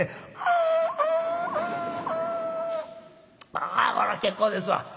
「ああこら結構ですわ」。